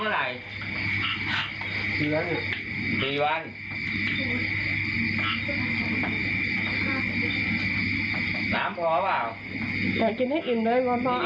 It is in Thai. รู้ของผมรู้แล้ว